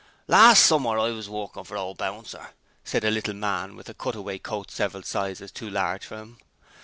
'Last summer I was workin' for ole Buncer,' said a little man with a cutaway coat several sizes too large for him.